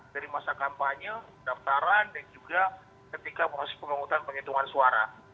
dari masa kampanye daftaran dan juga ketika proses pemungutan penghitungan suara